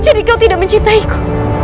jadi kau tidak mencintaiku